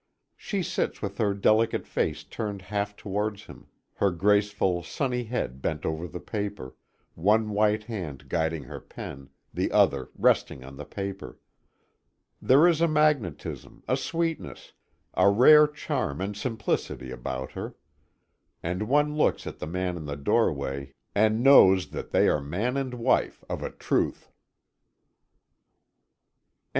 She sits with her delicate face turned half towards him, her graceful, sunny head bent over the paper, one white hand guiding her pen, the other resting on the paper. There is a magnetism, a sweetness, a rare charm and simplicity about her. And one looks at the man in the doorway, and knows that they are man and wife, of a truth. XIV.